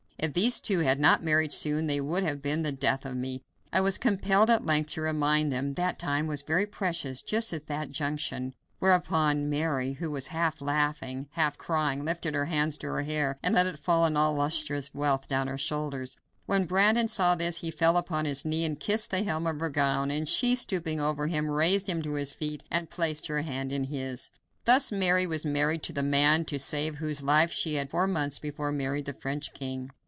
If these two had not married soon they would have been the death of me. I was compelled at length to remind them that time was very precious just at that juncture, whereupon Mary, who was half laughing, half crying, lifted her hands to her hair and let it fall in all its lustrous wealth down over her shoulders. When Brandon saw this, he fell upon his knee and kissed the hem of her gown, and she, stooping over him, raised him to his feet and placed her hand in his. Thus Mary was married to the man to save whose life she had four months before married the French king.